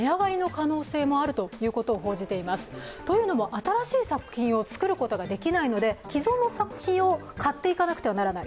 新しい作品を作ることができないので既存の作品を買っていかなくてはならない。